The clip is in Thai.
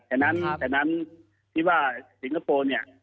ฉะนั้นฉะนั้นที่ว่าสิงคโปร์เนี่ย